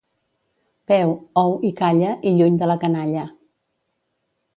Veu, ou i calla, i lluny de la canalla.